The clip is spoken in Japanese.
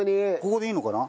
ここでいいのかな？